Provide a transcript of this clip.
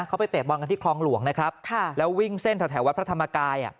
เขาไปเตะบอลกันที่คลองหลวงนะครับแล้ววิ่งเส้นแถววัดพระธรรมกาย